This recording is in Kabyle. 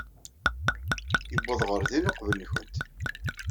Yuweḍ ɣer din uqbel-nwent.